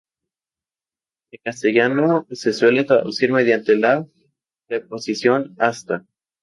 En castellano se suele traducir mediante la preposición "hasta".